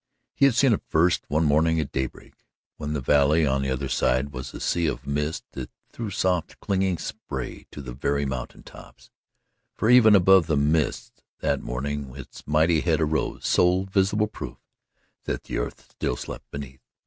He had seen it first, one morning at daybreak, when the valley on the other side was a sea of mist that threw soft, clinging spray to the very mountain tops for even above the mists, that morning, its mighty head arose, sole visible proof that the earth still slept beneath.